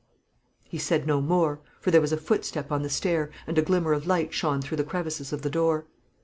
He said no more, for there was a footstep on the stair, and a glimmer of light shone through the crevices of the door.